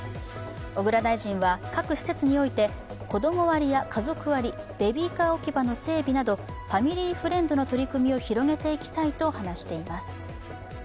小倉大臣は、各施設において子供割りやベビーカー置き場の整備などファミリーフレンドの取り組みを広げていきたいと話しています。